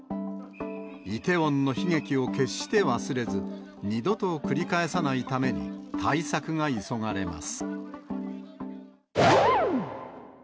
イテウォンの悲劇を決して忘れず、二度と繰り返さないために対策が急がれます。